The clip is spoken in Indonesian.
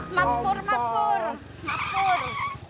mas pur mas pur